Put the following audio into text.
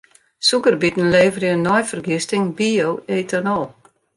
Sûkerbiten leverje nei fergisting bio-etanol.